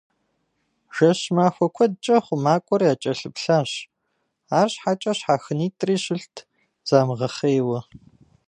Жэщ-махуэ куэдкӏэ хъумакӏуэр якӏэлъыплъащ, арщхьэкӏэ щхьэхынитӏри щылът замыгъэхъейуэ.